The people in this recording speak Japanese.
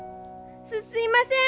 すすいません。